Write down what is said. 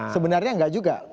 sebenarnya enggak juga